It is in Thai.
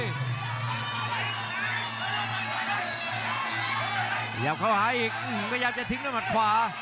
กระยับเข้าหาอีกกระยับจะทิ้งด้านมัดขวา